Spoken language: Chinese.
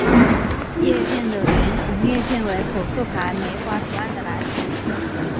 叶片的圆形裂片为扑克牌梅花图案的来源。